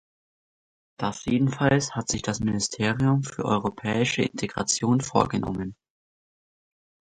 Das jedenfalls hat sich das Ministerium für europäische Integration vorgenommen.